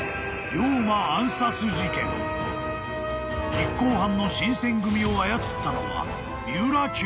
［実行犯の新選組を操ったのは］